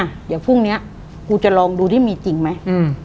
อ่ะเดี๋ยวพรุ่งนี้กูจะลองดูที่มีจริงไหมอืม